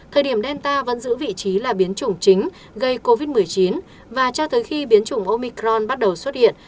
thời điểm delta vẫn giữ vị trí là biến chủng chính gây covid một mươi chín và cho tới khi biến chủng omicron bắt đầu xuất hiện